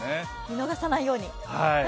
見逃さないように。